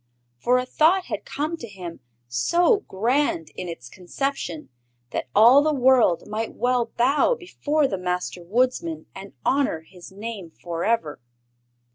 For a thought had come to him so grand in its conception that all the world might well bow before the Master Woodsman and honor his name forever!